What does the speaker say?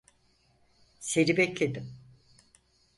Seni bekledim.